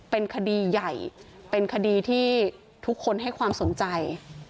เป็นคดีใหญ่เป็นคดีที่ทุกคนให้ความสนใจ